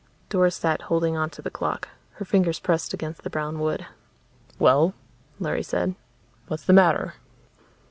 Doris sat holding onto the clock, her fingers pressed against the brown wood. "Well," Larry said, "what's the matter?"